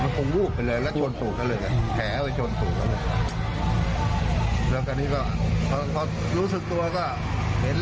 มันคงวูบไปเลยแล้วจนจุดก็เลยแผลไปจนจุดก็เลย